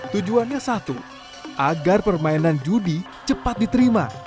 tujuannya satu agar permainan judi cepat diterima